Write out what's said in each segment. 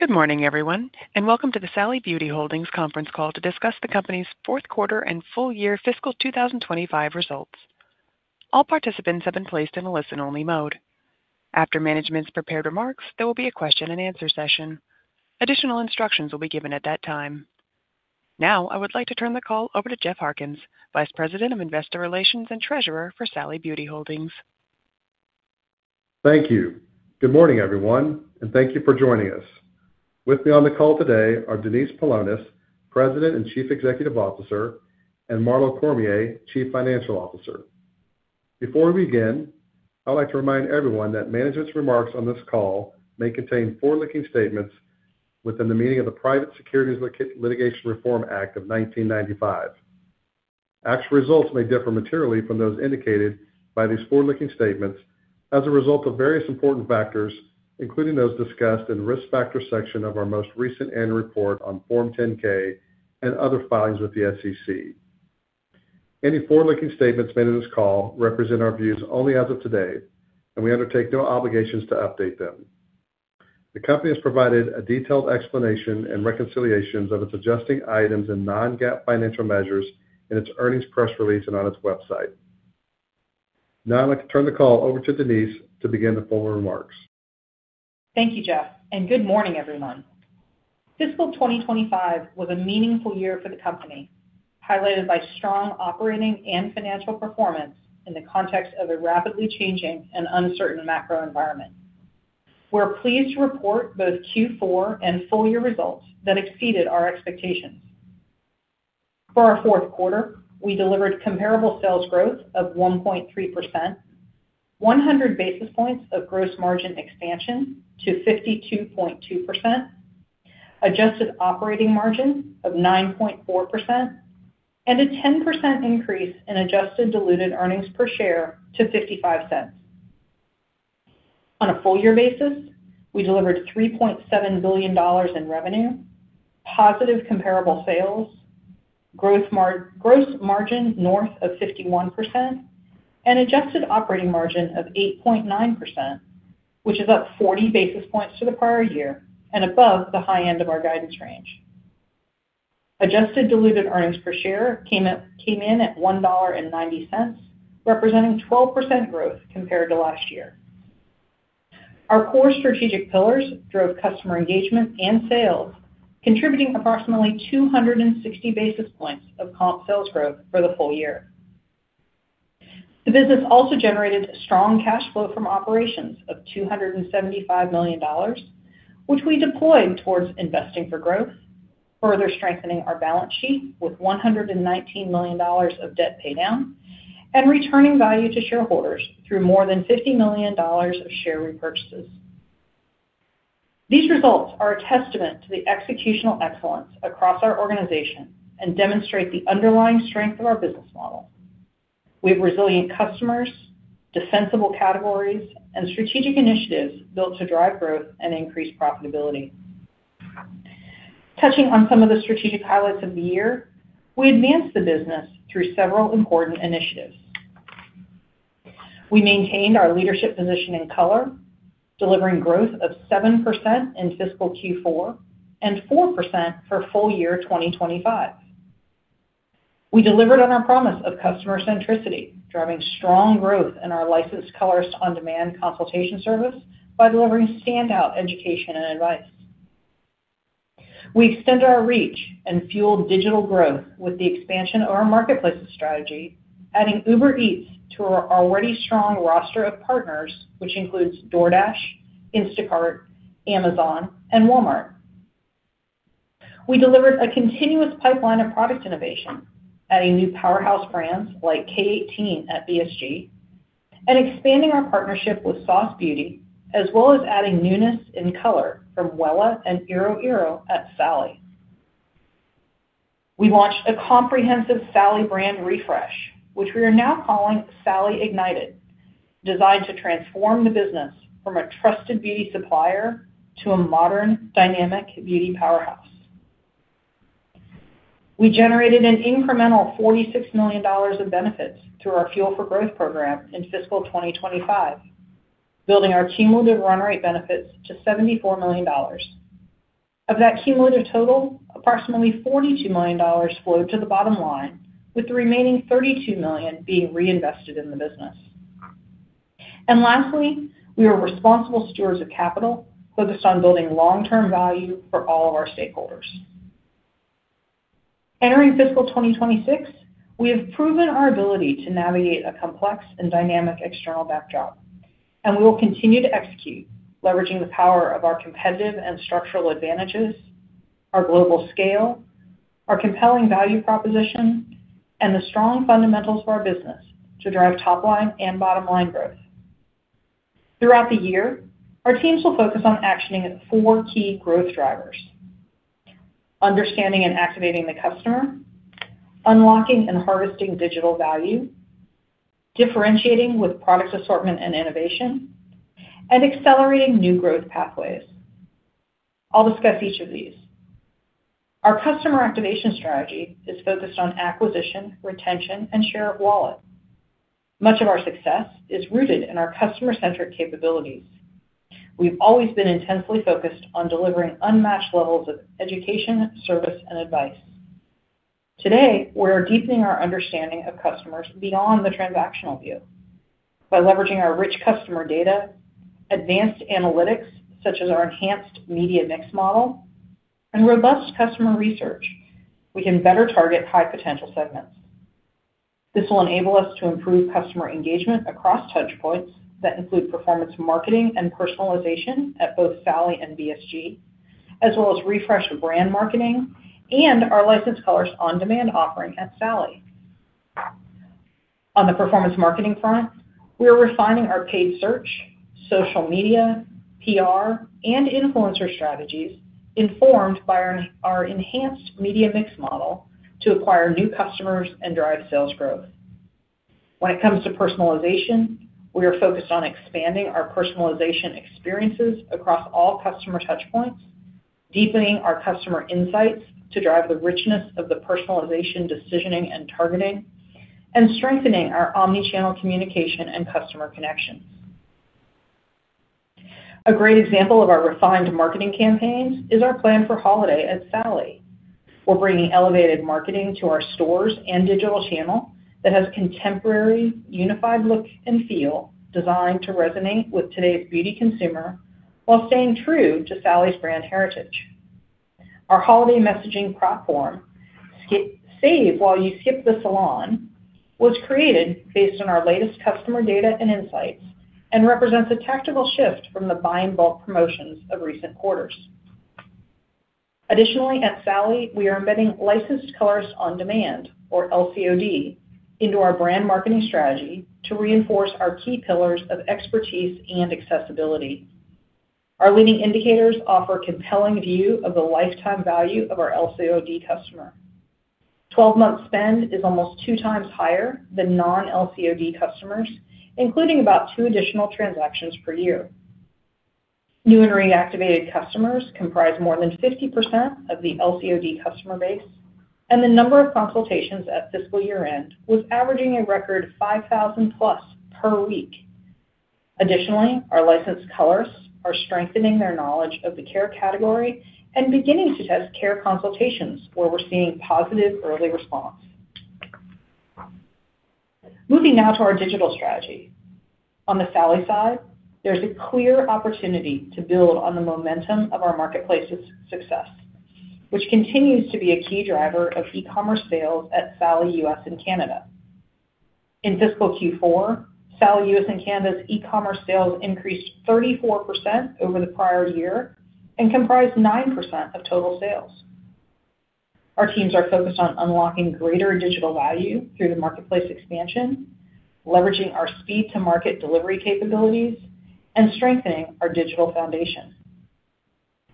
Good morning, everyone, and welcome to the Sally Beauty Holdings conference call to discuss the company's fourth quarter and full year fiscal 2025 results. All participants have been placed in a listen-only mode. After management's prepared remarks, there will be a question-and-answer session. Additional instructions will be given at that time. Now, I would like to turn the call over to Jeff Harkins, Vice President of Investor Relations and Treasurer for Sally Beauty Holdings. Thank you. Good morning, everyone, and thank you for joining us. With me on the call today are Denise Paulonis, President and Chief Executive Officer, and Marlo Cormier, Chief Financial Officer. Before we begin, I'd like to remind everyone that management's remarks on this call may contain forward-looking statements within the meaning of the Private Securities Litigation Reform Act of 1995. Actual results may differ materially from those indicated by these forward-looking statements as a result of various important factors, including those discussed in the risk factor section of our most recent annual report on Form 10-K and other filings with the SEC. Any forward-looking statements made in this call represent our views only as of today, and we undertake no obligations to update them. The company has provided a detailed explanation and reconciliations of its adjusting items and non-GAAP financial measures in its earnings press release and on its website. Now, I'd like to turn the call over to Denise to begin the formal remarks. Thank you, Jeff, and good morning, everyone. Fiscal 2025 was a meaningful year for the company, highlighted by strong operating and financial performance in the context of a rapidly changing and uncertain macro environment. We're pleased to report both Q4 and full year results that exceeded our expectations. For our fourth quarter, we delivered comparable sales growth of 1.3%, 100 basis points of gross margin expansion to 52.2%, adjusted operating margin of 9.4%, and a 10% increase in adjusted diluted earnings per share to $0.55. On a full year basis, we delivered $3.7 billion in revenue, positive comparable sales, gross margin north of 51%, and adjusted operating margin of 8.9%, which is up 40 basis points to the prior year and above the high end of our guidance range. Adjusted diluted earnings per share came in at $1.90, representing 12% growth compared to last year. Our core strategic pillars drove customer engagement and sales, contributing approximately 260 basis points of comp sales growth for the full year. The business also generated strong cash flow from operations of $275 million, which we deployed towards investing for growth, further strengthening our balance sheet with $119 million of debt paydown and returning value to shareholders through more than $50 million of share repurchases. These results are a testament to the executional excellence across our organization and demonstrate the underlying strength of our business model. We have resilient customers, defensible categories, and strategic initiatives built to drive growth and increase profitability. Touching on some of the strategic highlights of the year, we advanced the business through several important initiatives. We maintained our leadership position in color, delivering growth of 7% in fiscal Q4 and 4% for full year 2025. We delivered on our promise of customer centricity, driving strong growth in our Licensed Colorist On-Demand consultation service by delivering standout education and advice. We extended our reach and fueled digital growth with the expansion of our marketplace strategy, adding Uber Eats to our already strong roster of partners, which includes DoorDash, Instacart, Amazon, and Walmart. We delivered a continuous pipeline of product innovation, adding new powerhouse brands like K18 at BSG and expanding our partnership with Sauce Beauty, as well as adding newness in color from Wella and Eero Eero at Sally. We launched a comprehensive Sally brand refresh, which we are now calling Sally Ignited, designed to transform the business from a trusted beauty supplier to a modern, dynamic beauty powerhouse. We generated an incremental $46 million in benefits through our Fuel for Growth program in fiscal 2025, building our cumulative run rate benefits to $74 million. Of that cumulative total, approximately $42 million flowed to the bottom line, with the remaining $32 million being reinvested in the business. Lastly, we are responsible stewards of capital focused on building long-term value for all of our stakeholders. Entering fiscal 2026, we have proven our ability to navigate a complex and dynamic external backdrop, and we will continue to execute, leveraging the power of our competitive and structural advantages, our global scale, our compelling value proposition, and the strong fundamentals for our business to drive top-line and bottom-line growth. Throughout the year, our teams will focus on actioning four key growth drivers: understanding and activating the customer, unlocking and harvesting digital value, differentiating with product assortment and innovation, and accelerating new growth pathways. I'll discuss each of these. Our customer activation strategy is focused on acquisition, retention, and share of wallet. Much of our success is rooted in our customer-centric capabilities. We've always been intensely focused on delivering unmatched levels of education, service, and advice. Today, we're deepening our understanding of customers beyond the transactional view. By leveraging our rich customer data, advanced analytics such as our enhanced media mix model, and robust customer research, we can better target high-potential segments. This will enable us to improve customer engagement across touchpoints that include performance marketing and personalization at both Sally and BSG, as well as refresh brand marketing and our licensed colorist on-demand offering at Sally. On the performance marketing front, we are refining our paid search, social media, PR, and influencer strategies informed by our enhanced media mix model to acquire new customers and drive sales growth. When it comes to personalization, we are focused on expanding our personalization experiences across all customer touchpoints, deepening our customer insights to drive the richness of the personalization decisioning and targeting, and strengthening our omnichannel communication and customer connections. A great example of our refined marketing campaigns is our plan for holiday at Sally. We're bringing elevated marketing to our stores and digital channel that has a contemporary, unified look and feel designed to resonate with today's beauty consumer while staying true to Sally's brand heritage. Our holiday messaging platform, Save While You Skip the Salon, was created based on our latest customer data and insights and represents a tactical shift from the buy-and-bolt promotions of recent quarters. Additionally, at Sally, we are embedding licensed colorist on-demand, or LCOD, into our brand marketing strategy to reinforce our key pillars of expertise and accessibility. Our leading indicators offer a compelling view of the lifetime value of our LCOD customer. Twelve-month spend is almost two times higher than non-LCOD customers, including about two additional transactions per year. New and reactivated customers comprise more than 50% of the LCOD customer base, and the number of consultations at fiscal year-end was averaging a record 5,000-plus per week. Additionally, our licensed colorists are strengthening their knowledge of the care category and beginning to test care consultations, where we're seeing positive early response. Moving now to our digital strategy. On the Sally side, there's a clear opportunity to build on the momentum of our marketplace's success, which continues to be a key driver of e-commerce sales at Sally US and Canada. In fiscal Q4, Sally US and Canada's e-commerce sales increased 34% over the prior year and comprised 9% of total sales. Our teams are focused on unlocking greater digital value through the marketplace expansion, leveraging our speed-to-market delivery capabilities, and strengthening our digital foundation.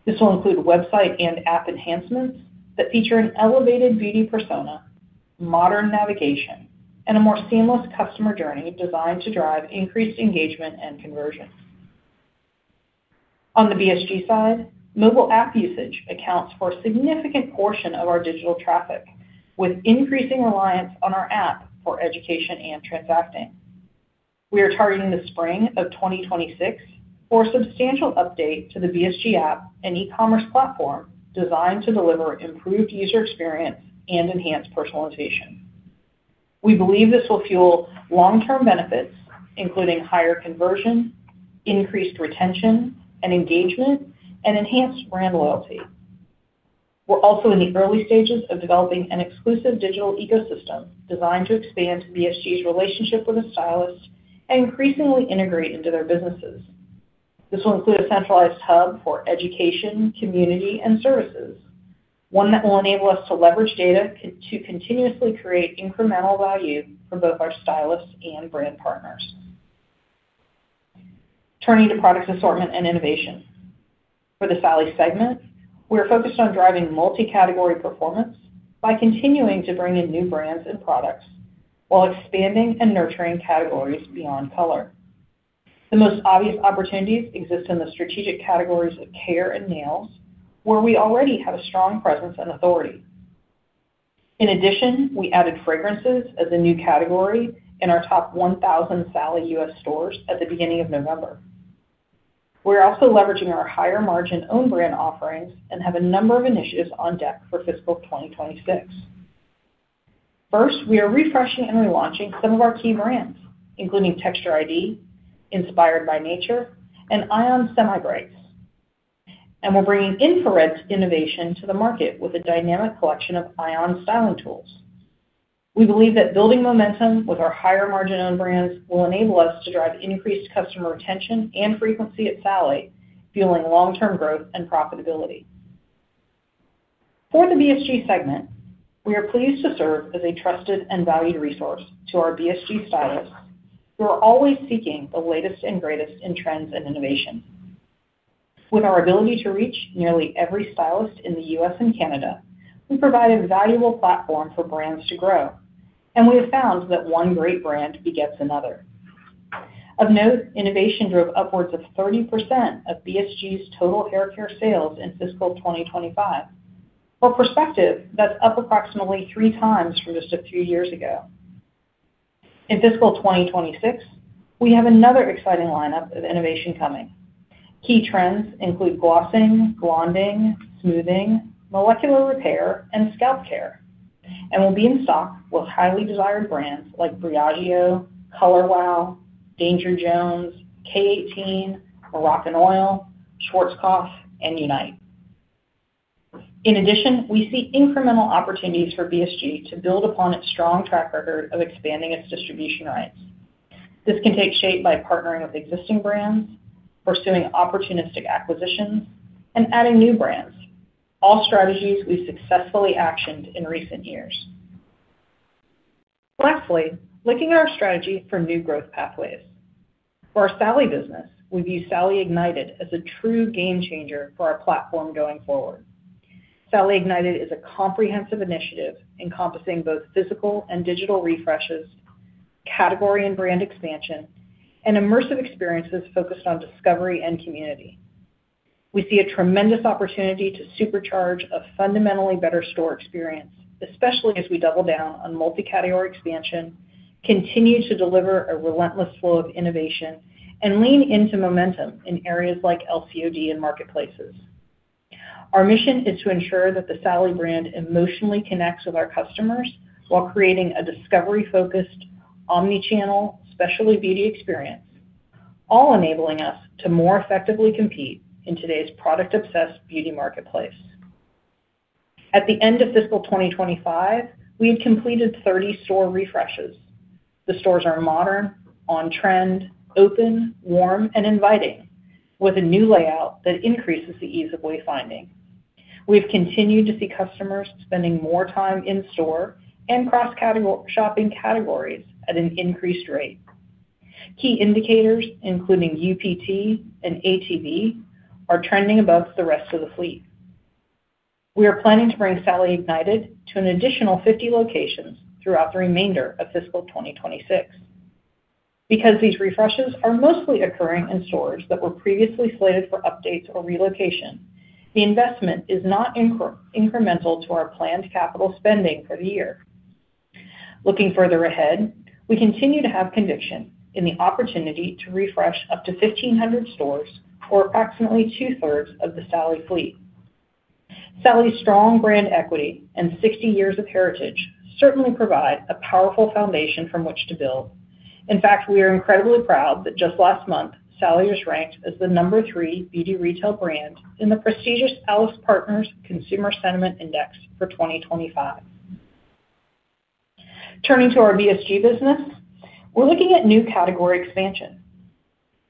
This will include website and app enhancements that feature an elevated beauty persona, modern navigation, and a more seamless customer journey designed to drive increased engagement and conversions. On the BSG side, mobile app usage accounts for a significant portion of our digital traffic, with increasing reliance on our app for education and transacting. We are targeting the spring of 2026 for a substantial update to the BSG app and e-commerce platform designed to deliver improved user experience and enhanced personalization. We believe this will fuel long-term benefits, including higher conversion, increased retention and engagement, and enhanced brand loyalty. We're also in the early stages of developing an exclusive digital ecosystem designed to expand BSG's relationship with the stylists and increasingly integrate into their businesses. This will include a centralized hub for education, community, and services, one that will enable us to leverage data to continuously create incremental value for both our stylists and brand partners. Turning to product assortment and innovation. For the Sally segment, we are focused on driving multi-category performance by continuing to bring in new brands and products while expanding and nurturing categories beyond color. The most obvious opportunities exist in the strategic categories of care and nails, where we already have a strong presence and authority. In addition, we added fragrances as a new category in our top 1,000 Sally US stores at the beginning of November. We are also leveraging our higher-margin own brand offerings and have a number of initiatives on deck for fiscal 2026. First, we are refreshing and relaunching some of our key brands, including Texture ID, Inspired by Nature, and Ion. We are bringing Infrared's innovation to the market with a dynamic collection of Ion styling tools. We believe that building momentum with our higher-margin own brands will enable us to drive increased customer retention and frequency at Sally, fueling long-term growth and profitability. For the BSG segment, we are pleased to serve as a trusted and valued resource to our BSG stylists who are always seeking the latest and greatest in trends and innovation. With our ability to reach nearly every stylist in the US and Canada, we provide a valuable platform for brands to grow, and we have found that one great brand begets another. Of note, innovation drove upwards of 30% of BSG's total haircare sales in fiscal 2025, a perspective that is up approximately three times from just a few years ago. In fiscal 2026, we have another exciting lineup of innovation coming. Key trends include glossing, blonding, smoothing, molecular repair, and scalp care, and will be in stock with highly desired brands like Briogeo, Color Wow, Danger Jones, K18, Moroccan Oil, Schwarzkopf, and Unite. In addition, we see incremental opportunities for BSG to build upon its strong track record of expanding its distribution rights. This can take shape by partnering with existing brands, pursuing opportunistic acquisitions, and adding new brands, all strategies we've successfully actioned in recent years. Lastly, looking at our strategy for new growth pathways. For our Sally business, we view Sally Ignited as a true game changer for our platform going forward. Sally Ignited is a comprehensive initiative encompassing both physical and digital refreshes, category and brand expansion, and immersive experiences focused on discovery and community. We see a tremendous opportunity to supercharge a fundamentally better store experience, especially as we double down on multi-category expansion, continue to deliver a relentless flow of innovation, and lean into momentum in areas like LCOD and marketplaces. Our mission is to ensure that the Sally brand emotionally connects with our customers while creating a discovery-focused omnichannel specialty beauty experience, all enabling us to more effectively compete in today's product-obsessed beauty marketplace. At the end of fiscal 2025, we had completed 30 store refreshes. The stores are modern, on-trend, open, warm, and inviting, with a new layout that increases the ease of wayfinding. We have continued to see customers spending more time in store and cross-shopping categories at an increased rate. Key indicators, including UPT and ATV, are trending above the rest of the fleet. We are planning to bring Sally Ignited to an additional 50 locations throughout the remainder of fiscal 2026. Because these refreshes are mostly occurring in stores that were previously slated for updates or relocation, the investment is not incremental to our planned capital spending for the year. Looking further ahead, we continue to have conviction in the opportunity to refresh up to 1,500 stores for approximately two-thirds of the Sally fleet. Sally's strong brand equity and 60 years of heritage certainly provide a powerful foundation from which to build. In fact, we are incredibly proud that just last month, Sally was ranked as the number three beauty retail brand in the prestigious Alice Partners Consumer Sentiment Index for 2025. Turning to our BSG business, we're looking at new category expansion.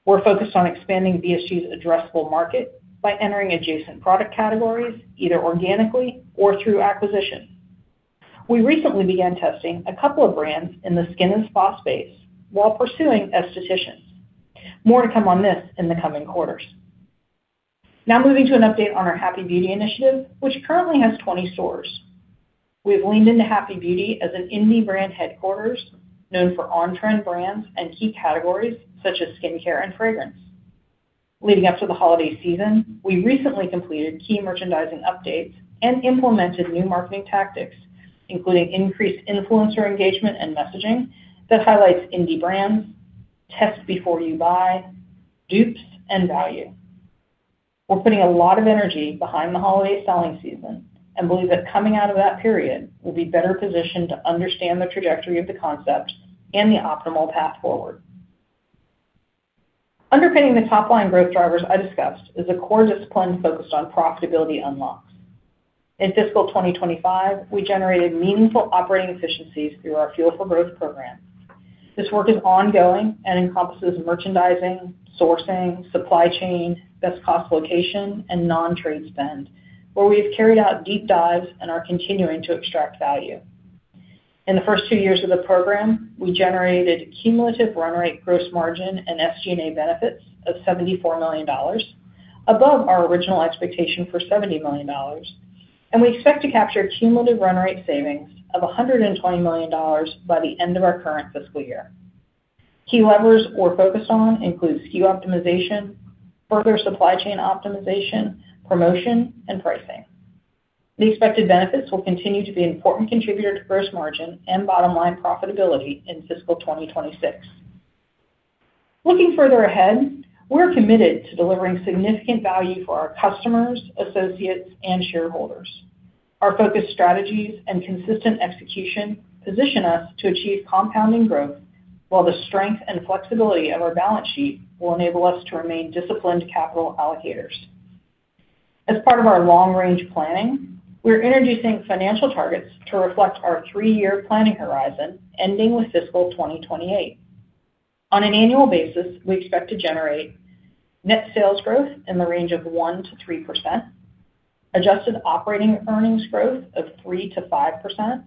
We're focused on expanding BSG's addressable market by entering adjacent product categories either organically or through acquisition. We recently began testing a couple of brands in the skin and spa space while pursuing estheticians. More to come on this in the coming quarters. Now moving to an update on our Happy Beauty initiative, which currently has 20 stores. We have leaned into Happy Beauty as an indie brand headquarters known for on-trend brands and key categories such as skincare and fragrance. Leading up to the holiday season, we recently completed key merchandising updates and implemented new marketing tactics, including increased influencer engagement and messaging that highlights indie brands, test before you buy, dupes, and value. We're putting a lot of energy behind the holiday selling season and believe that coming out of that period, we'll be better positioned to understand the trajectory of the concept and the optimal path forward. Underpinning the top-line growth drivers I discussed is a core discipline focused on profitability unlocks. In fiscal 2025, we generated meaningful operating efficiencies through our Fuel for Growth program. This work is ongoing and encompasses merchandising, sourcing, supply chain, best-cost location, and non-trade spend, where we have carried out deep dives and are continuing to extract value. In the first two years of the program, we generated cumulative run rate gross margin and SG&A benefits of $74 million, above our original expectation for $70 million, and we expect to capture cumulative run rate savings of $120 million by the end of our current fiscal year. Key levers we're focused on include SKU optimization, further supply chain optimization, promotion, and pricing. The expected benefits will continue to be an important contributor to gross margin and bottom-line profitability in fiscal 2026. Looking further ahead, we're committed to delivering significant value for our customers, associates, and shareholders. Our focused strategies and consistent execution position us to achieve compounding growth, while the strength and flexibility of our balance sheet will enable us to remain disciplined capital allocators. As part of our long-range planning, we are introducing financial targets to reflect our three-year planning horizon ending with fiscal 2028. On an annual basis, we expect to generate net sales growth in the range of 1%-3%, adjusted operating earnings growth of 3%-5%,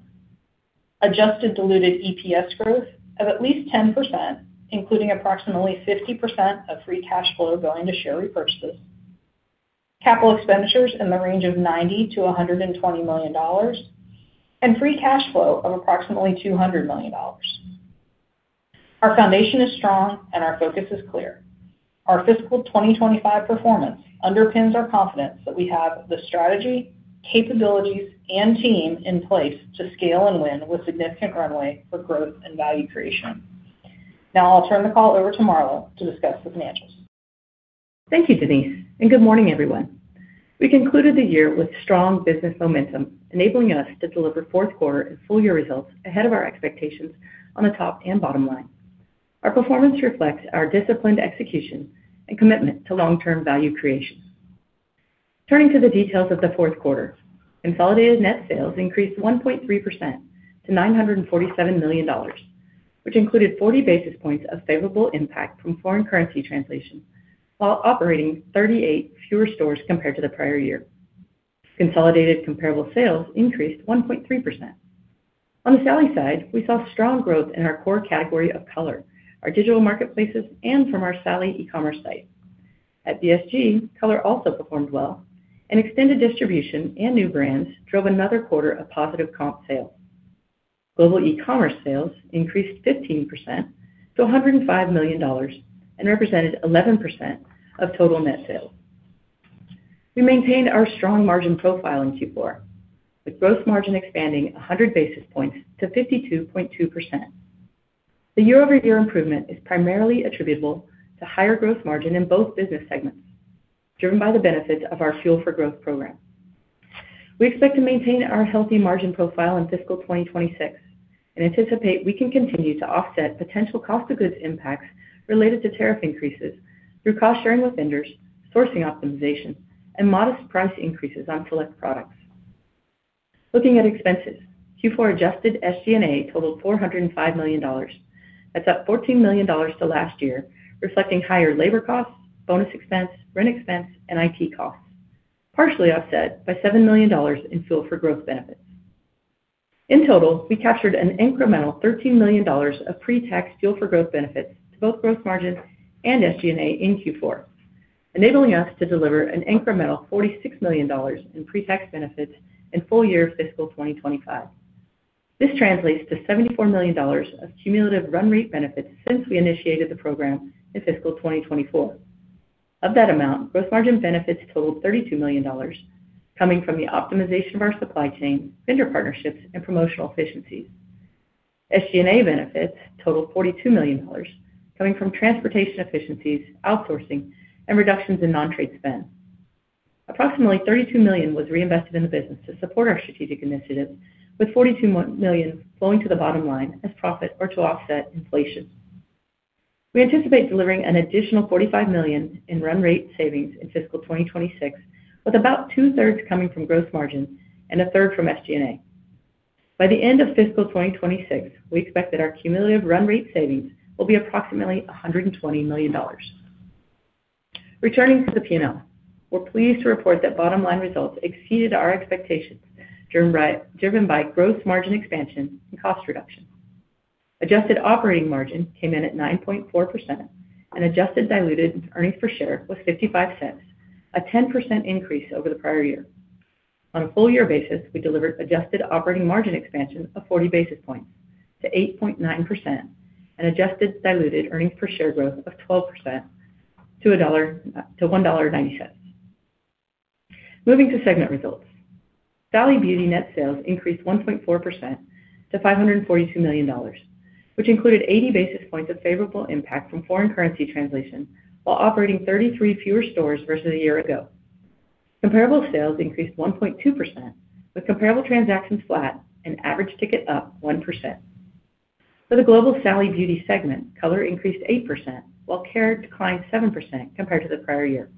adjusted diluted EPS growth of at least 10%, including approximately 50% of free cash flow going to share repurchases, capital expenditures in the range of $90 million-$120 million, and free cash flow of approximately $200 million. Our foundation is strong, and our focus is clear. Our fiscal 2025 performance underpins our confidence that we have the strategy, capabilities, and team in place to scale and win with significant runway for growth and value creation. Now I'll turn the call over to Marlo to discuss the financials. Thank you, Denise, and good morning, everyone. We concluded the year with strong business momentum, enabling us to deliver fourth-quarter and full-year results ahead of our expectations on the top and bottom line. Our performance reflects our disciplined execution and commitment to long-term value creation. Turning to the details of the fourth quarter, consolidated net sales increased 1.3% to $947 million, which included 40 basis points of favorable impact from foreign currency translation, while operating 38 fewer stores compared to the prior year. Consolidated comparable sales increased 1.3%. On the Sally side, we saw strong growth in our core category of color, our digital marketplaces, and from our Sally e-commerce site. At BSG, color also performed well, and extended distribution and new brands drove another quarter of positive comp sales. Global e-commerce sales increased 15% to $105 million and represented 11% of total net sales. We maintained our strong margin profile in Q4, with gross margin expanding 100 basis points to 52.2%. The year-over-year improvement is primarily attributable to higher gross margin in both business segments, driven by the benefits of our Fuel for Growth program. We expect to maintain our healthy margin profile in fiscal 2026 and anticipate we can continue to offset potential cost-of-goods impacts related to tariff increases through cost-sharing with vendors, sourcing optimization, and modest price increases on select products. Looking at expenses, Q4 adjusted SG&A totaled $405 million. That's up $14 million to last year, reflecting higher labor costs, bonus expense, rent expense, and IT costs, partially offset by $7 million in Fuel for Growth benefits. In total, we captured an incremental $13 million of pre-tax Fuel for Growth benefits to both gross margin and SG&A in Q4, enabling us to deliver an incremental $46 million in pre-tax benefits in full-year fiscal 2025. This translates to $74 million of cumulative run rate benefits since we initiated the program in fiscal 2024. Of that amount, gross margin benefits totaled $32 million, coming from the optimization of our supply chain, vendor partnerships, and promotional efficiencies. SG&A benefits totaled $42 million, coming from transportation efficiencies, outsourcing, and reductions in non-trade spend. Approximately $32 million was reinvested in the business to support our strategic initiatives, with $42 million flowing to the bottom line as profit or to offset inflation. We anticipate delivering an additional $45 million in run rate savings in fiscal 2026, with about two-thirds coming from gross margin and a third from SG&A. By the end of fiscal 2026, we expect that our cumulative run rate savings will be approximately $120 million. Returning to the P&L, we're pleased to report that bottom-line results exceeded our expectations, driven by gross margin expansion and cost reduction. Adjusted operating margin came in at 9.4%, and adjusted diluted earnings per share was $0.55, a 10% increase over the prior year. On a full-year basis, we delivered adjusted operating margin expansion of 40 basis points to 8.9% and adjusted diluted earnings per share growth of 12% to $1.90. Moving to segment results, Sally Beauty net sales increased 1.4% to $542 million, which included 80 basis points of favorable impact from foreign currency translation while operating 33 fewer stores versus a year ago. Comparable sales increased 1.2%, with comparable transactions flat and average ticket up 1%. For the global Sally Beauty segment, color increased 8%, while care declined 7% compared to the prior year.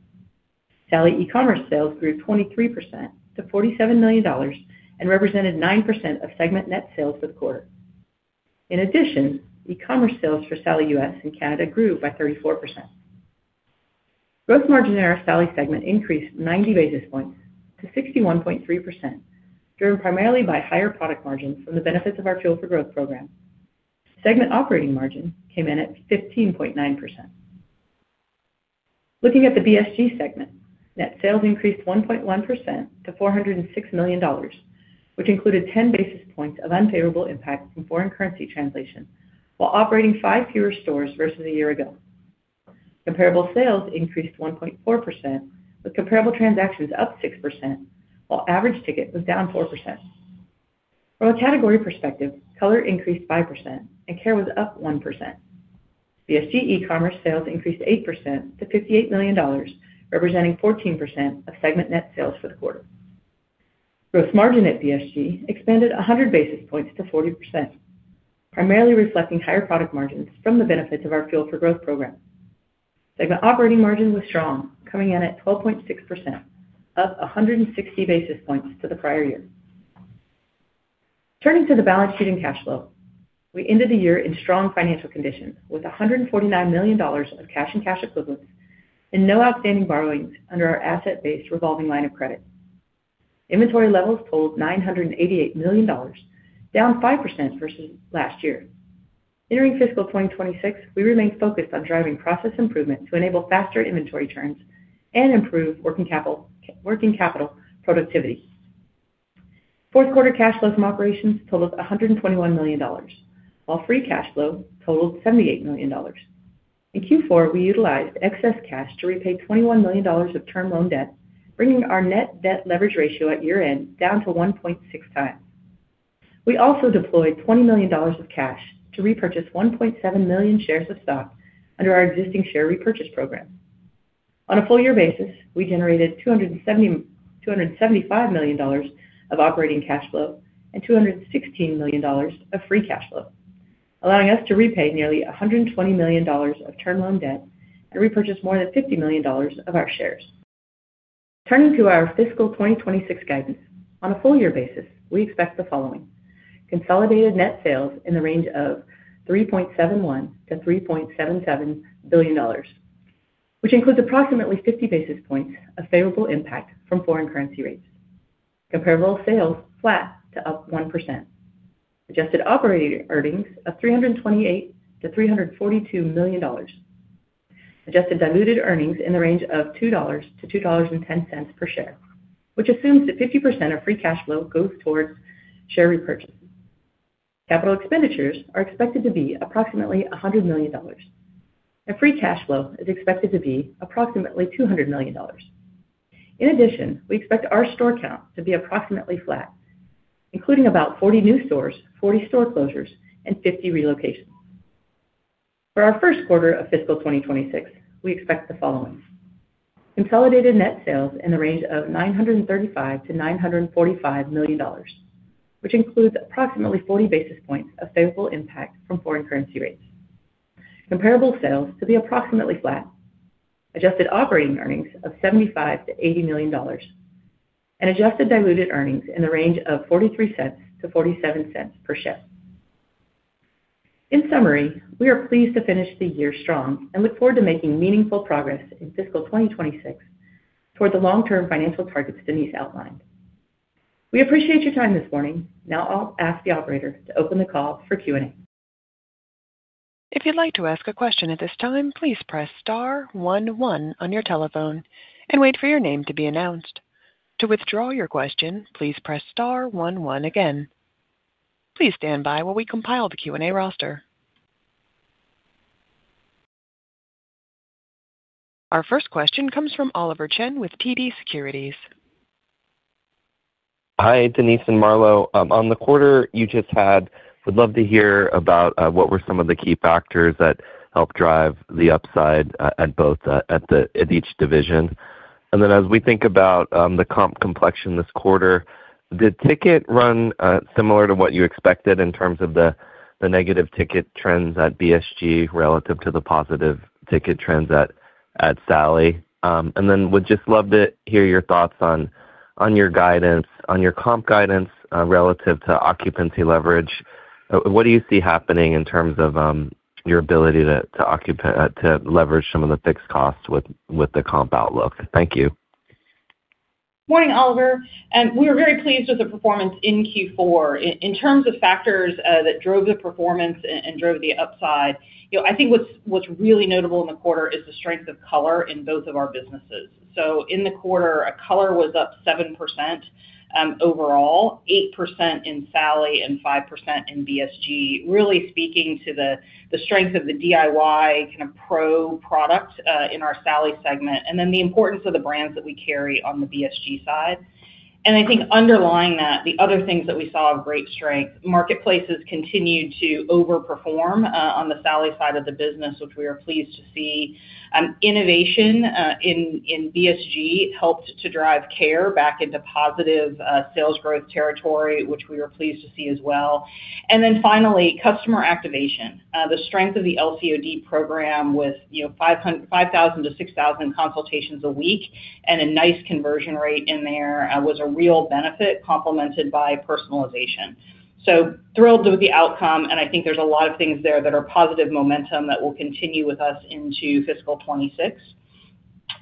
Sally e-commerce sales grew 23% to $47 million and represented 9% of segment net sales for the quarter. In addition, e-commerce sales for Sally US and Canada grew by 34%. Gross margin in our Sally segment increased 90 basis points to 61.3%, driven primarily by higher product margins from the benefits of our Fuel for Growth program. Segment operating margin came in at 15.9%. Looking at the BSG segment, net sales increased 1.1% to $406 million, which included 10 basis points of unfavorable impact from foreign currency translation while operating five fewer stores versus a year ago. Comparable sales increased 1.4%, with comparable transactions up 6%, while average ticket was down 4%. From a category perspective, color increased 5%, and care was up 1%. BSG e-commerce sales increased 8% to $58 million, representing 14% of segment net sales for the quarter. Gross margin at BSG expanded 100 basis points to 40%, primarily reflecting higher product margins from the benefits of our Fuel for Growth program. Segment operating margin was strong, coming in at 12.6%, up 160 basis points to the prior year. Turning to the balance sheet and cash flow, we ended the year in strong financial conditions with $149 million of cash and cash equivalents and no outstanding borrowings under our asset-based revolving line of credit. Inventory levels totaled $988 million, down 5% versus last year. Entering fiscal 2026, we remain focused on driving process improvement to enable faster inventory turns and improve working capital productivity. Fourth-quarter cash flow from operations totaled $121 million, while free cash flow totaled $78 million. In Q4, we utilized excess cash to repay $21 million of term loan debt, bringing our net debt leverage ratio at year-end down to 1.6 times. We also deployed $20 million of cash to repurchase 1.7 million shares of stock under our existing share repurchase program. On a full-year basis, we generated $275 million of operating cash flow and $216 million of free cash flow, allowing us to repay nearly $120 million of term loan debt and repurchase more than $50 million of our shares. Turning to our fiscal 2026 guidance, on a full-year basis, we expect the following: consolidated net sales in the range of $3.71 billion-$3.77 billion, which includes approximately 50 basis points of favorable impact from foreign currency rates. Comparable sales flat to up 1%. Adjusted operating earnings of $328 million-$342 million. Adjusted diluted earnings in the range of $2-$2.10 per share, which assumes that 50% of free cash flow goes towards share repurchases. Capital expenditures are expected to be approximately $100 million, and free cash flow is expected to be approximately $200 million. In addition, we expect our store count to be approximately flat, including about 40 new stores, 40 store closures, and 50 relocations. For our first quarter of fiscal 2026, we expect the following: consolidated net sales in the range of $935-$945 million, which includes approximately 40 basis points of favorable impact from foreign currency rates. Comparable sales to be approximately flat. Adjusted operating earnings of $75-$80 million, and adjusted diluted earnings in the range of $0.43-$0.47 per share. In summary, we are pleased to finish the year strong and look forward to making meaningful progress in fiscal 2026 toward the long-term financial targets Denise outlined. We appreciate your time this morning. Now I'll ask the operator to open the call for Q&A. If you'd like to ask a question at this time, please press star 11 on your telephone and wait for your name to be announced. To withdraw your question, please press star 11 again. Please stand by while we compile the Q&A roster. Our first question comes from Oliver Chen with TD Cowen. Hi, Denise and Marlo. On the quarter you just had, we'd love to hear about what were some of the key factors that helped drive the upside at both at each division. Then as we think about the comp complexion this quarter, did ticket run similar to what you expected in terms of the negative ticket trends at BSG relative to the positive ticket trends at Sally? We'd just love to hear your thoughts on your guidance, on your comp guidance relative to occupancy leverage. What do you see happening in terms of your ability to leverage some of the fixed costs with the comp outlook? Thank you. Morning, Oliver. We are very pleased with the performance in Q4. In terms of factors that drove the performance and drove the upside, I think what's really notable in the quarter is the strength of color in both of our businesses. In the quarter, color was up 7% overall, 8% in Sally and 5% in BSG, really speaking to the strength of the DIY kind of pro product in our Sally segment, and then the importance of the brands that we carry on the BSG side. I think underlying that, the other things that we saw of great strength, marketplaces continued to overperform on the Sally side of the business, which we are pleased to see. Innovation in BSG helped to drive care back into positive sales growth territory, which we were pleased to see as well. Finally, customer activation. The strength of the LCOD program with 5,000-6,000 consultations a week and a nice conversion rate in there was a real benefit complemented by personalization. Thrilled with the outcome, and I think there's a lot of things there that are positive momentum that will continue with us into fiscal 2026.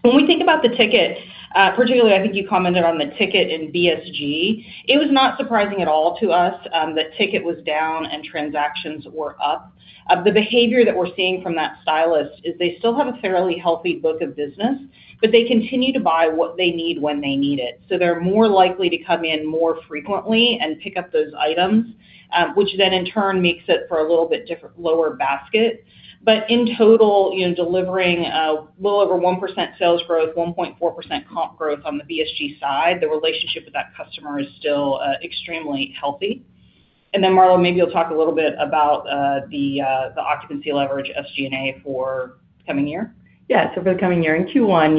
When we think about the ticket, particularly, I think you commented on the ticket in BSG, it was not surprising at all to us that ticket was down and transactions were up. The behavior that we're seeing from that stylist is they still have a fairly healthy book of business, but they continue to buy what they need when they need it. They're more likely to come in more frequently and pick up those items, which then in turn makes it for a little bit lower basket. In total, delivering a little over 1% sales growth, 1.4% comp growth on the BSG side, the relationship with that customer is still extremely healthy. Marlo, maybe you'll talk a little bit about the occupancy leverage SG&A for the coming year. Yeah. For the coming year in Q1,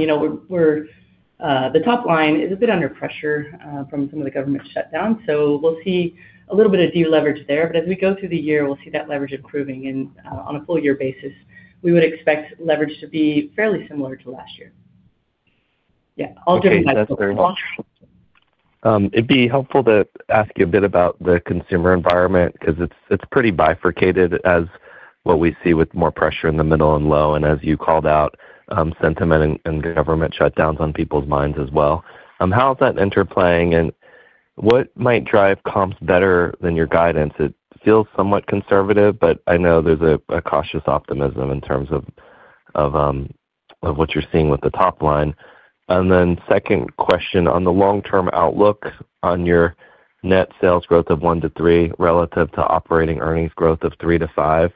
the top line is a bit under pressure from some of the government shutdowns. We'll see a little bit of de-leverage there. As we go through the year, we'll see that leverage improving. On a full-year basis, we would expect leverage to be fairly similar to last year. Yeah. I'll jump back to Walter. It'd be helpful to ask you a bit about the consumer environment because it's pretty bifurcated, as what we see with more pressure in the middle and low, and as you called out, sentiment and government shutdowns on people's minds as well. How is that interplaying, and what might drive comps better than your guidance? It feels somewhat conservative, but I know there is a cautious optimism in terms of what you are seeing with the top line. Second question on the long-term outlook on your net sales growth of 1-3% relative to operating earnings growth of 3-5%,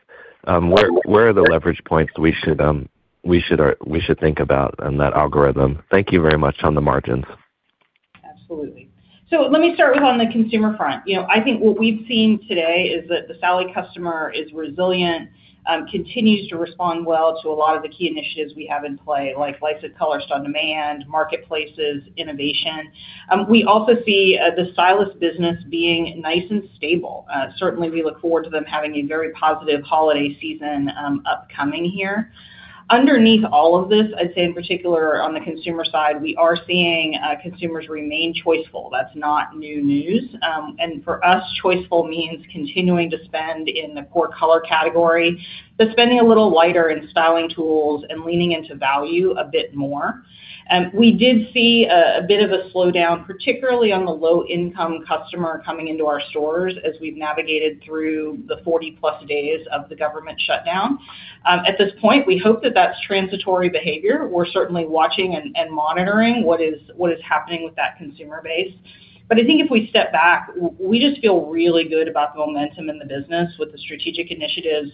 where are the leverage points we should think about in that algorithm? Thank you very much on the margins. Absolutely. Let me start with on the consumer front. I think what we have seen today is that the Sally customer is resilient, continues to respond well to a lot of the key initiatives we have in play, like licensed color on demand, marketplaces, innovation. We also see the stylist business being nice and stable. Certainly, we look forward to them having a very positive holiday season upcoming here. Underneath all of this, I'd say in particular on the consumer side, we are seeing consumers remain choiceful. That's not new news. For us, choiceful means continuing to spend in the core color category, but spending a little lighter in styling tools and leaning into value a bit more. We did see a bit of a slowdown, particularly on the low-income customer coming into our stores as we've navigated through the 40-plus days of the government shutdown. At this point, we hope that that's transitory behavior. We're certainly watching and monitoring what is happening with that consumer base. I think if we step back, we just feel really good about the momentum in the business with the strategic initiatives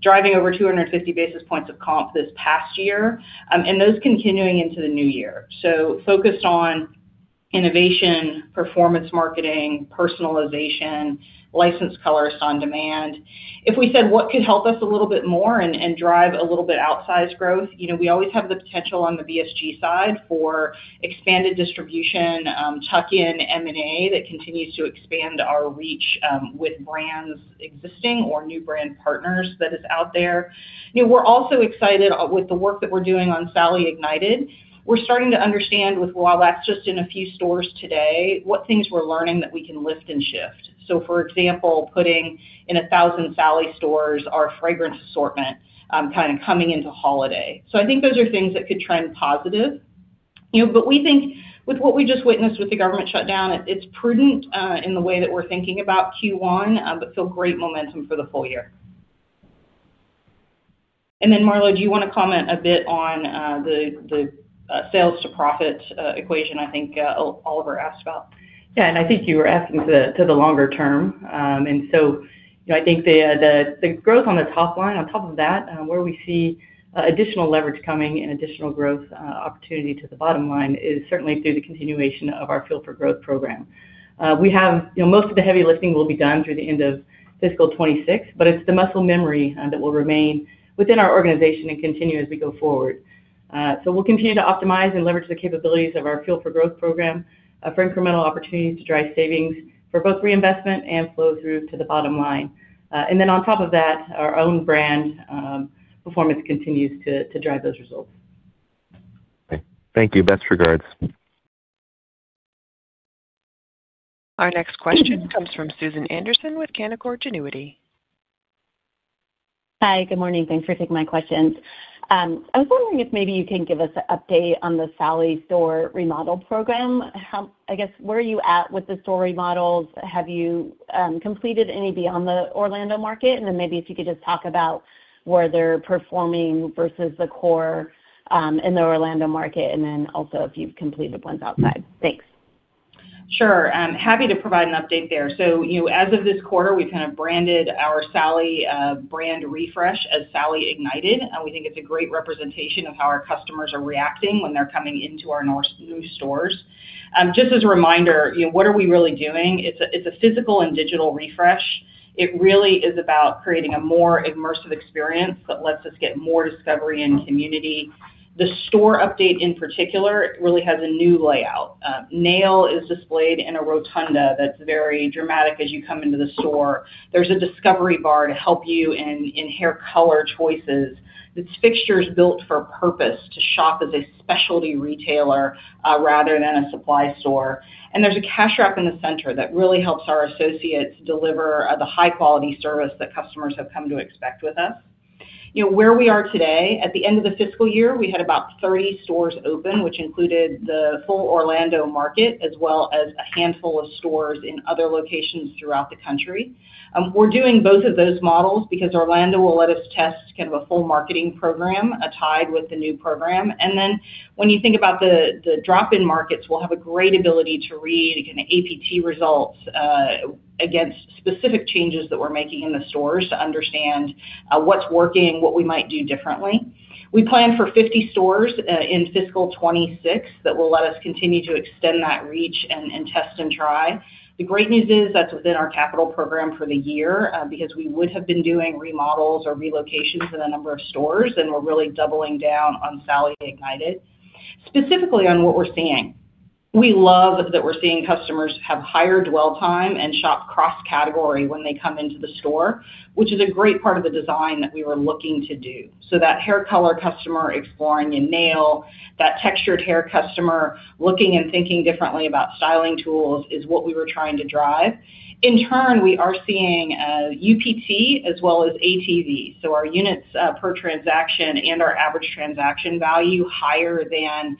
driving over 250 basis points of comp this past year and those continuing into the new year. Focused on innovation, performance marketing, personalization, licensed colorist on demand. If we said what could help us a little bit more and drive a little bit outsized growth, we always have the potential on the BSG side for expanded distribution, tuck-in M&A that continues to expand our reach with brands existing or new brand partners that is out there. We're also excited with the work that we're doing on Sally Ignited. We're starting to understand with wild access in a few stores today what things we're learning that we can lift and shift. For example, putting in 1,000 Sally stores, our fragrance assortment kind of coming into holiday. I think those are things that could trend positive. We think with what we just witnessed with the government shutdown, it's prudent in the way that we're thinking about Q1, but feel great momentum for the full year. Marlo, do you want to comment a bit on the sales-to-profit equation I think Oliver asked about? Yeah. I think you were asking to the longer term. I think the growth on the top line, on top of that, where we see additional leverage coming and additional growth opportunity to the bottom line is certainly through the continuation of our Fuel for Growth program. Most of the heavy lifting will be done through the end of fiscal 2026, but it is the muscle memory that will remain within our organization and continue as we go forward. We will continue to optimize and leverage the capabilities of our Fuel for Growth program for incremental opportunities to drive savings for both reinvestment and flow through to the bottom line. On top of that, our own brand performance continues to drive those results. Thank you. Best regards. Our next question comes from Susan Anderson with Canaccord Genuity. Hi. Good morning. Thanks for taking my questions. I was wondering if maybe you can give us an update on the Sally store remodel program. I guess where are you at with the store remodels? Have you completed any beyond the Orlando market? If you could just talk about where they're performing versus the core in the Orlando market, and also if you've completed ones outside. Thanks. Sure. Happy to provide an update there. As of this quarter, we've kind of branded our Sally brand refresh as Sally Ignited. We think it's a great representation of how our customers are reacting when they're coming into our new stores. Just as a reminder, what are we really doing? It's a physical and digital refresh. It really is about creating a more immersive experience that lets us get more discovery and community. The store update in particular really has a new layout. Nail is displayed in a rotunda that is very dramatic as you come into the store. There is a discovery bar to help you in hair color choices. It is fixtures built for purpose to shop as a specialty retailer rather than a supply store. There is a cash drop in the center that really helps our associates deliver the high-quality service that customers have come to expect with us. Where we are today, at the end of the fiscal year, we had about 30 stores open, which included the full Orlando market as well as a handful of stores in other locations throughout the country. We're doing both of those models because Orlando will let us test kind of a full marketing program tied with the new program. When you think about the drop-in markets, we'll have a great ability to read kind of APT results against specific changes that we're making in the stores to understand what's working, what we might do differently. We plan for 50 stores in fiscal 2026 that will let us continue to extend that reach and test and try. The great news is that's within our capital program for the year because we would have been doing remodels or relocations in a number of stores, and we're really doubling down on Sally Ignited specifically on what we're seeing. We love that we're seeing customers have higher dwell time and shop cross-category when they come into the store, which is a great part of the design that we were looking to do. That hair color customer exploring a nail, that textured hair customer looking and thinking differently about styling tools is what we were trying to drive. In turn, we are seeing UPT as well as ATV. Our units per transaction and our average transaction value are higher than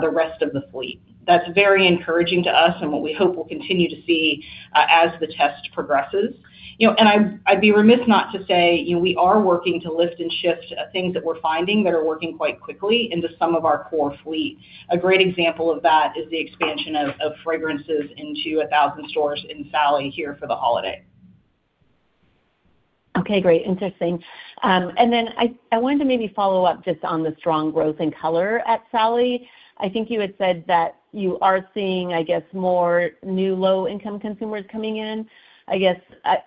the rest of the fleet. That's very encouraging to us and what we hope will continue to see as the test progresses. I'd be remiss not to say we are working to lift and shift things that we're finding that are working quite quickly into some of our core fleet. A great example of that is the expansion of fragrances into 1,000 stores in Sally here for the holiday. Okay. Great. Interesting. I wanted to maybe follow up just on the strong growth in color at Sally. I think you had said that you are seeing, I guess, more new low-income consumers coming in. I guess,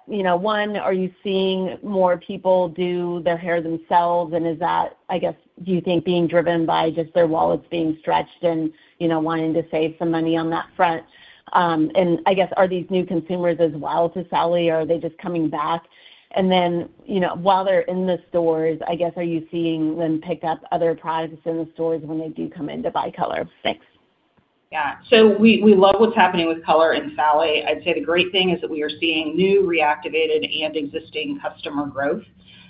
one, are you seeing more people do their hair themselves? Is that, I guess, do you think being driven by just their wallets being stretched and wanting to save some money on that front? I guess, are these new consumers as well to Sally? Are they just coming back? While they are in the stores, I guess, are you seeing them pick up other products in the stores when they do come in to buy color? Thanks. Yeah. We love what is happening with color in Sally. I'd say the great thing is that we are seeing new, reactivated, and existing customer growth.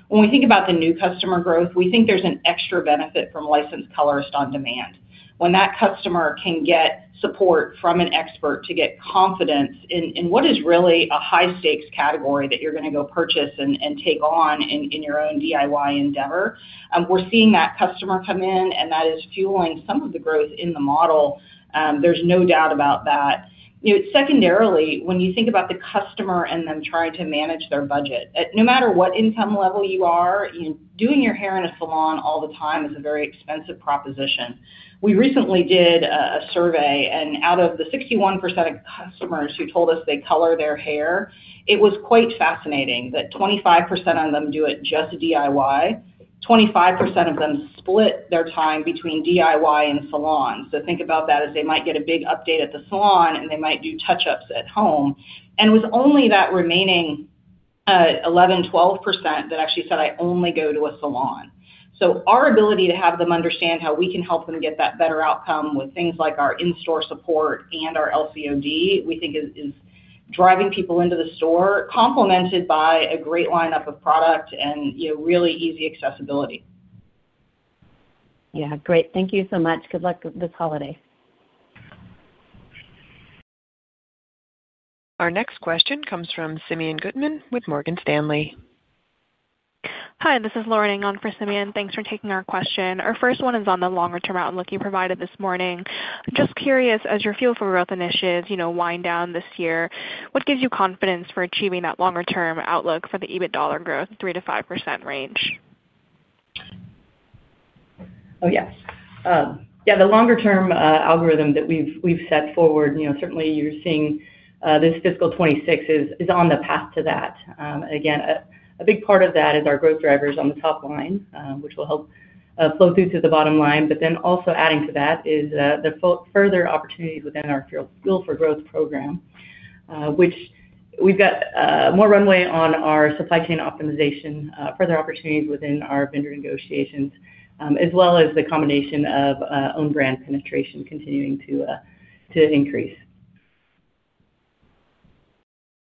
When we think about the new customer growth, we think there's an extra benefit from Licensed Colorist On-Demand. When that customer can get support from an expert to get confidence in what is really a high-stakes category that you're going to go purchase and take on in your own DIY endeavor, we're seeing that customer come in, and that is fueling some of the growth in the model. There's no doubt about that. Secondarily, when you think about the customer and them trying to manage their budget, no matter what income level you are, doing your hair in a salon all the time is a very expensive proposition. We recently did a survey, and out of the 61% of customers who told us they color their hair, it was quite fascinating that 25% of them do it just DIY, 25% of them split their time between DIY and salon. Think about that as they might get a big update at the salon, and they might do touch-ups at home. It was only that remaining 11-12% that actually said, "I only go to a salon." Our ability to have them understand how we can help them get that better outcome with things like our in-store support and our LCOD, we think is driving people into the store, complemented by a great lineup of product and really easy accessibility. Yeah. Great. Thank you so much. Good luck with this holiday. Our next question comes from Simeon Goodman with Susan Anderson with Canaccord Genuity. Morgan Stanley. Hi. This is Lauren Englund for Simeon. Thanks for taking our question. Our first one is on the longer-term outlook you provided this morning. Just curious, as your Fuel for Growth initiatives wind down this year, what gives you confidence for achieving that longer-term outlook for the EBIT dollar growth 3-5% range? Oh, yes. Yeah. The longer-term algorithm that we've set forward, certainly you're seeing this fiscal 2026 is on the path to that. Again, a big part of that is our growth drivers on the top line, which will help flow through to the bottom line. But then also adding to that is the further opportunities within our Fuel for Growth program, which we've got more runway on our supply chain optimization, further opportunities within our vendor negotiations, as well as the combination of own brand penetration continuing to increase.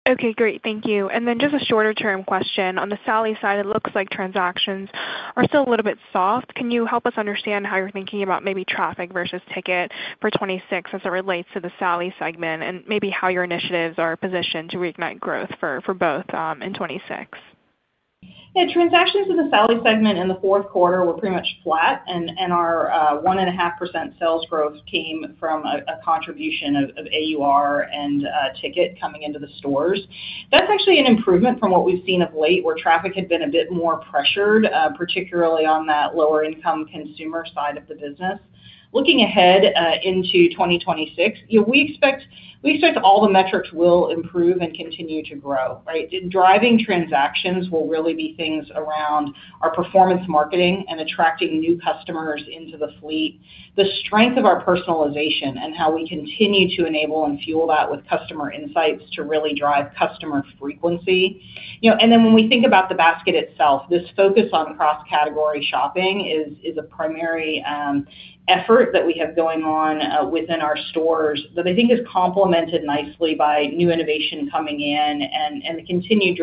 Okay. Great. Thank you. Then just a shorter-term question. On the Sally side, it looks like transactions are still a little bit soft. Can you help us understand how you're thinking about maybe traffic versus ticket for 2026 as it relates to the Sally segment and maybe how your initiatives are positioned to reignite growth for both in 2026? Yeah. Transactions in the Sally segment in the fourth quarter were pretty much flat, and our 1.5% sales growth came from a contribution of AUR and ticket coming into the stores. That's actually an improvement from what we've seen of late where traffic had been a bit more pressured, particularly on that lower-income consumer side of the business. Looking ahead into 2026, we expect all the metrics will improve and continue to grow, right? Driving transactions will really be things around our performance marketing and attracting new customers into the fleet, the strength of our personalization, and how we continue to enable and fuel that with customer insights to really drive customer frequency. When we think about the basket itself, this focus on cross-category shopping is a primary effort that we have going on within our stores that I think is complemented nicely by new innovation coming in and the continued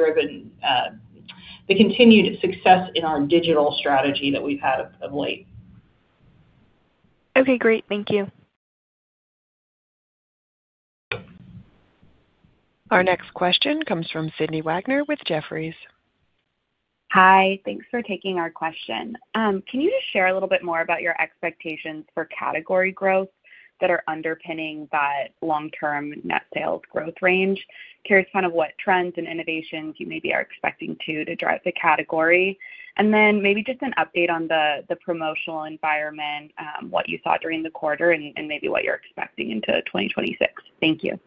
success in our digital strategy that we have had of late. Okay. Great. Thank you. Our next question comes from Sydney Wagner with Jefferies. Hi. Thanks for taking our question. Can you just share a little bit more about your expectations for category growth that are underpinning that long-term net sales growth range? Curious kind of what trends and innovations you maybe are expecting to drive the category. Maybe just an update on the promotional environment, what you saw during the quarter, and maybe what you're expecting into 2026. Thank you.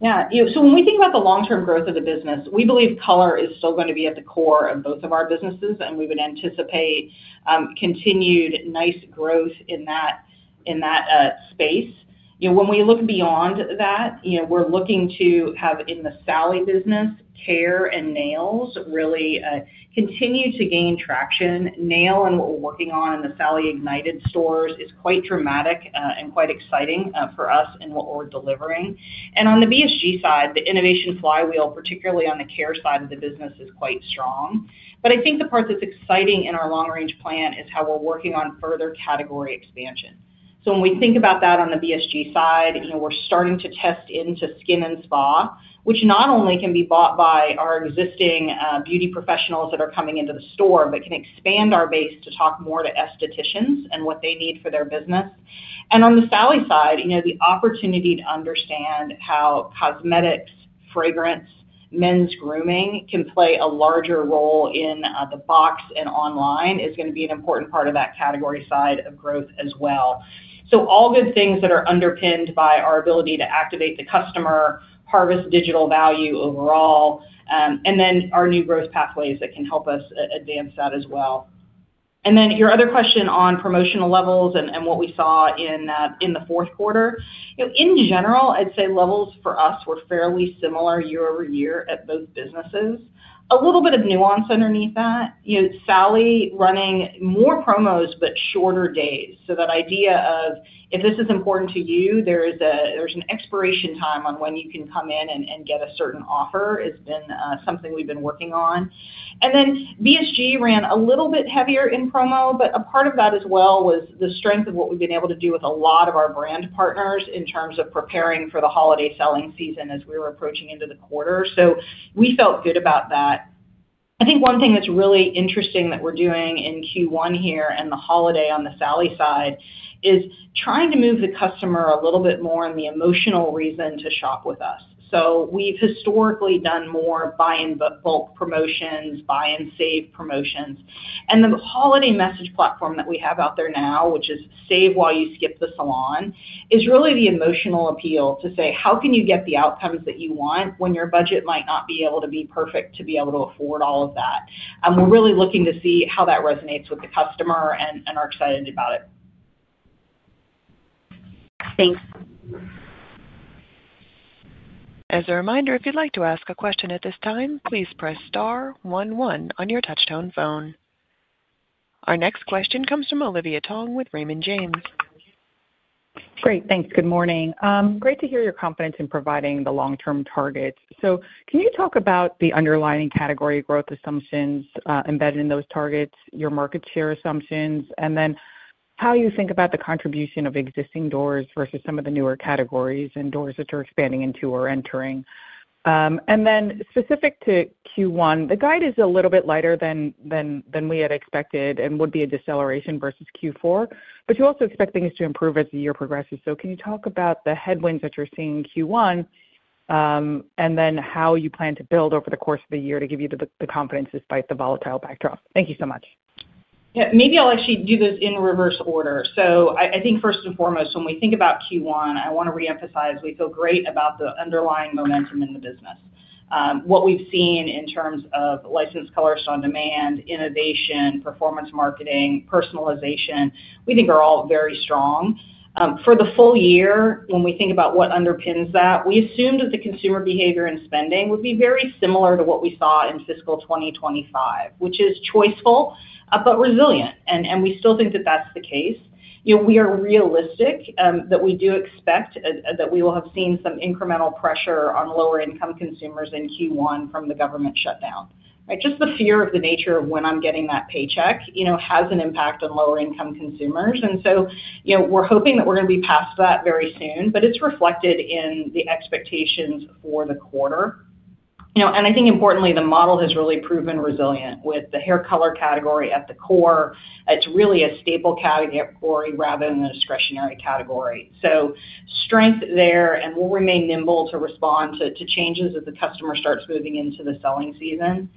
Yeah. When we think about the long-term growth of the business, we believe color is still going to be at the core of both of our businesses, and we would anticipate continued nice growth in that space. When we look beyond that, we're looking to have in the Sally business, care and nails really continue to gain traction. Nail and what we're working on in the Sally Ignited stores is quite dramatic and quite exciting for us in what we're delivering. On the BSG side, the innovation flywheel, particularly on the care side of the business, is quite strong. I think the part that's exciting in our long-range plan is how we're working on further category expansion. When we think about that on the BSG side, we're starting to test into skin and spa, which not only can be bought by our existing beauty professionals that are coming into the store, but can expand our base to talk more to estheticians and what they need for their business. On the Sally side, the opportunity to understand how cosmetics, fragrance, men's grooming can play a larger role in the box and online is going to be an important part of that category side of growth as well. All good things that are underpinned by our ability to activate the customer, harvest digital value overall, and then our new growth pathways that can help us advance that as well. Your other question on promotional levels and what we saw in the fourth quarter, in general, I'd say levels for us were fairly similar year-over-year at both businesses. A little bit of nuance underneath that. Sally running more promos but shorter days. That idea of, "If this is important to you, there's an expiration time on when you can come in and get a certain offer," has been something we've been working on. BSG ran a little bit heavier in promo, but a part of that as well was the strength of what we've been able to do with a lot of our brand partners in terms of preparing for the holiday selling season as we were approaching into the quarter. We felt good about that. I think one thing that's really interesting that we're doing in Q1 here and the holiday on the Sally side is trying to move the customer a little bit more on the emotional reason to shop with us. We've historically done more buy-and-book, bulk promotions, buy-and-save promotions. The holiday message platform that we have out there now, which is Save While You Skip the Salon, is really the emotional appeal to say, "How can you get the outcomes that you want when your budget might not be able to be perfect to be able to afford all of that?" We're really looking to see how that resonates with the customer and are excited about it. Thanks. As a reminder, if you'd like to ask a question at this time, please press star 11 on your touch-tone phone. Our next question comes from Olivia Tong with Raymond James. Great. Thanks. Good morning. Great to hear your confidence in providing the long-term targets. Can you talk about the underlying category growth assumptions embedded in those targets, your market share assumptions, and then how you think about the contribution of existing doors versus some of the newer categories and doors that you're expanding into or entering? Specific to Q1, the guide is a little bit lighter than we had expected and would be a deceleration versus Q4, but you also expect things to improve as the year progresses. Can you talk about the headwinds that you're seeing in Q1 and then how you plan to build over the course of the year to give you the confidence despite the volatile backdrop? Thank you so much. Yeah. Maybe I'll actually do this in reverse order. I think first and foremost, when we think about Q1, I want to reemphasize we feel great about the underlying momentum in the business. What we've seen in terms of licensed colorist on demand, innovation, performance marketing, personalization, we think are all very strong. For the full year, when we think about what underpins that, we assumed that the consumer behavior and spending would be very similar to what we saw in fiscal 2025, which is choiceful but resilient. We still think that that's the case. We are realistic that we do expect that we will have seen some incremental pressure on lower-income consumers in Q1 from the government shutdown. Just the fear of the nature of when I'm getting that paycheck has an impact on lower-income consumers. We're hoping that we're going to be past that very soon, but it's reflected in the expectations for the quarter. I think importantly, the model has really proven resilient with the hair color category at the core. It's really a staple category rather than a discretionary category. Strength there and we'll remain nimble to respond to changes as the customer starts moving into the selling season.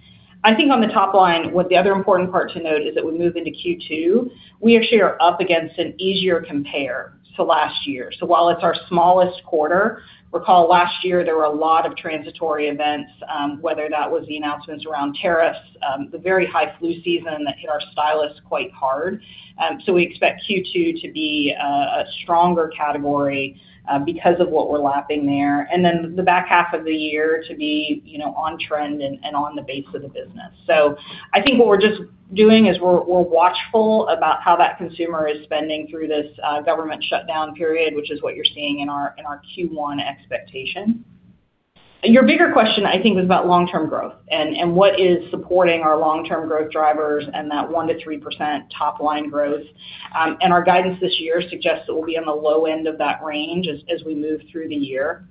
I think on the top line, the other important part to note is that as we move into Q2, we actually are up against an easier compare to last year. While it's our smallest quarter, recall last year there were a lot of transitory events, whether that was the announcements around tariffs, the very high flu season that hit our stylists quite hard. We expect Q2 to be a stronger category because of what we're lapping there, and then the back half of the year to be on trend and on the base of the business. I think what we're just doing is we're watchful about how that consumer is spending through this government shutdown period, which is what you're seeing in our Q1 expectation. Your bigger question, I think, was about long-term growth and what is supporting our long-term growth drivers and that 1-3% top-line growth. Our guidance this year suggests that we'll be on the low end of that range as we move through the year.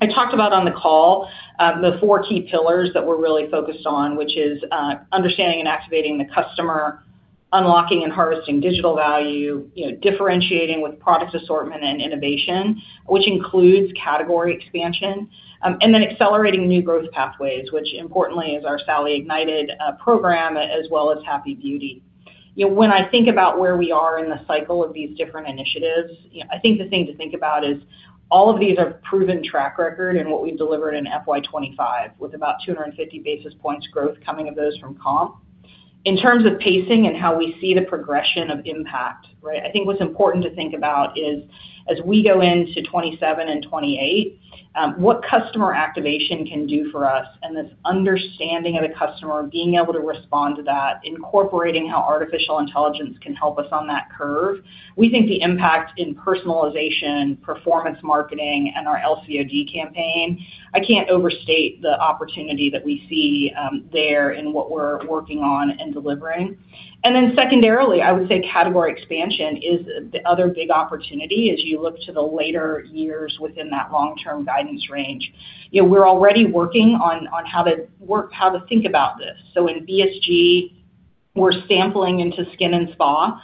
I talked about on the call the four key pillars that we're really focused on, which is understanding and activating the customer, unlocking and harvesting digital value, differentiating with product assortment and innovation, which includes category expansion, and then accelerating new growth pathways, which importantly is our Sally Ignited program as well as Happy Beauty. When I think about where we are in the cycle of these different initiatives, I think the thing to think about is all of these have proven track record in what we've delivered in FY2025 with about 250 basis points growth coming of those from comp. In terms of pacing and how we see the progression of impact, right, I think what's important to think about is as we go into 2027 and 2028, what customer activation can do for us and this understanding of the customer, being able to respond to that, incorporating how artificial intelligence can help us on that curve. We think the impact in personalization, performance marketing, and our LCOD campaign, I can't overstate the opportunity that we see there in what we're working on and delivering. Secondarily, I would say category expansion is the other big opportunity as you look to the later years within that long-term guidance range. We're already working on how to think about this. In BSG, we're sampling into skin and spa.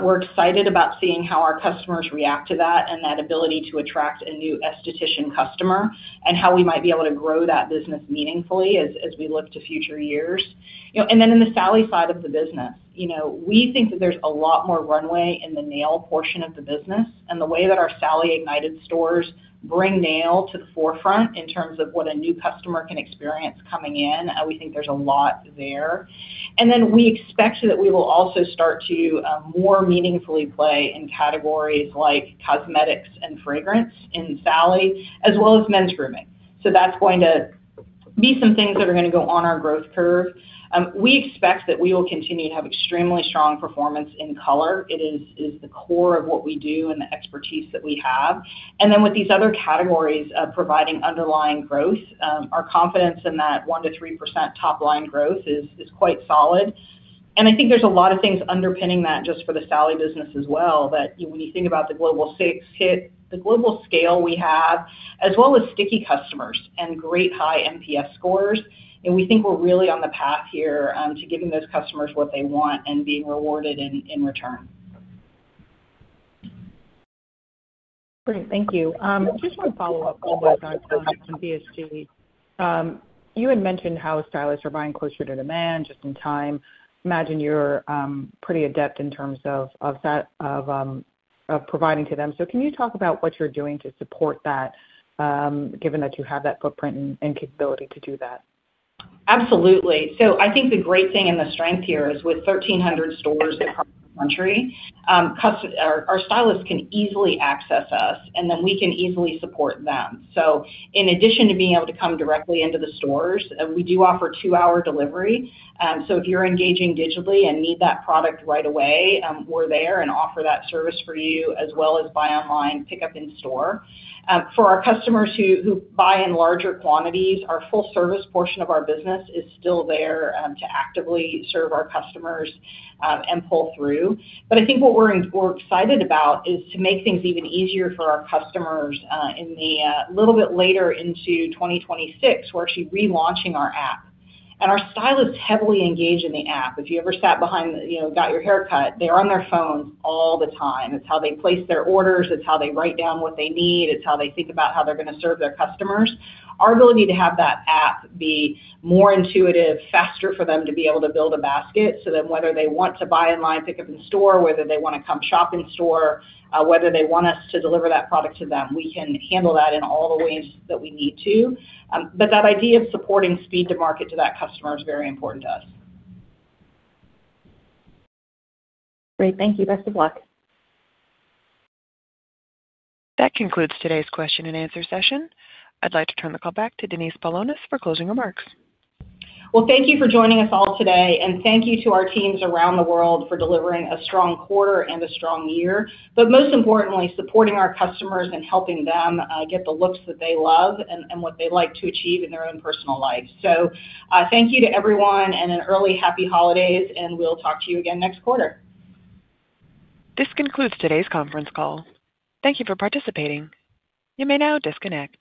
We're excited about seeing how our customers react to that and that ability to attract a new esthetician customer and how we might be able to grow that business meaningfully as we look to future years. In the Sally side of the business, we think that there's a lot more runway in the nail portion of the business and the way that our Sally Ignited stores bring nail to the forefront in terms of what a new customer can experience coming in. We think there's a lot there. We expect that we will also start to more meaningfully play in categories like cosmetics and fragrance in Sally as well as men's grooming. That is going to be some things that are going to go on our growth curve. We expect that we will continue to have extremely strong performance in color. It is the core of what we do and the expertise that we have. With these other categories of providing underlying growth, our confidence in that 1-3% top-line growth is quite solid. I think there is a lot of things underpinning that just for the Sally business as well that when you think about the global scale we have, as well as sticky customers and great high NPS scores, we think we are really on the path here to giving those customers what they want and being rewarded in return. Great. Thank you. Just want to follow up on what I saw in BSG. You had mentioned how stylists are buying closer to demand just in time. Imagine you are pretty adept in terms of providing to them. Can you talk about what you're doing to support that given that you have that footprint and capability to do that? Absolutely. I think the great thing and the strength here is with 1,300 stores across the country, our stylists can easily access us, and then we can easily support them. In addition to being able to come directly into the stores, we do offer two-hour delivery. If you're engaging digitally and need that product right away, we're there and offer that service for you as well as buy online, pick up in store. For our customers who buy in larger quantities, our full-service portion of our business is still there to actively serve our customers and pull through. I think what we're excited about is to make things even easier for our customers in the little bit later into 2026. We're actually relaunching our app. And our stylists heavily engage in the app. If you ever sat behind, got your haircut, they're on their phones all the time. It's how they place their orders. It's how they write down what they need. It's how they think about how they're going to serve their customers. Our ability to have that app be more intuitive, faster for them to be able to build a basket so that whether they want to buy online, pick up in store, whether they want to come shop in store, whether they want us to deliver that product to them, we can handle that in all the ways that we need to. But that idea of supporting speed to market to that customer is very important to us. Great. Thank you. Best of luck. That concludes today's question and answer session. I'd like to turn the call back to Denise Paulonis for closing remarks. Thank you for joining us all today. And thank you to our teams around the world for delivering a strong quarter and a strong year, but most importantly, supporting our customers and helping them get the looks that they love and what they like to achieve in their own personal life. Thank you to everyone and an early happy holidays, and we'll talk to you again next quarter. This concludes today's conference call. Thank you for participating. You may now disconnect.